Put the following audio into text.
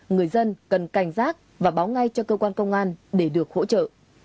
người dân cần cảnh giác và báo ngay cho cơ quan công an để được hỗ trợ